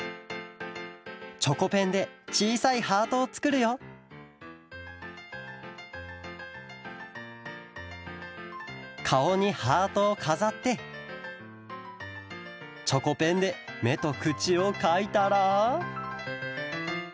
チョコペンでちいさいハートをつくるよかおにハートをかざってチョコペンでめとくちをかいたら？